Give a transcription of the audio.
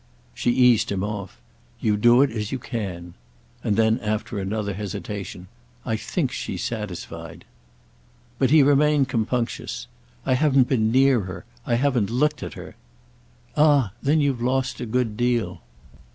She eased him off. "You do it as you can." And then after another hesitation: "I think she's satisfied." But he remained compunctious. "I haven't been near her. I haven't looked at her." "Ah then you've lost a good deal!"